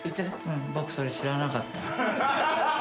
僕それ知らなかった。